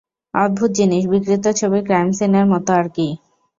অদ্ভুত জিনিস, বিকৃত ছবি ক্রাইম সিনের মত আর কি!